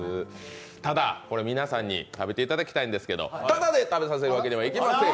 ただ、皆さんに食べていただきたいんですけど、ただで食べていただくわけにはいきません。